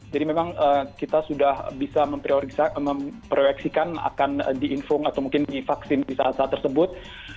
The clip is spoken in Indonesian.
jadi memang kita sudah bisa memprioritasikan akan diinfung atau mungkin divaksin di saat saat tersebut